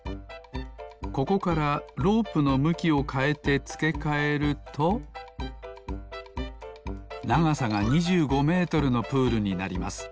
ここからロープのむきをかえてつけかえるとながさが２５メートルのプールになります